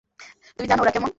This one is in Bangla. তুমি জানো ওরা কেমন?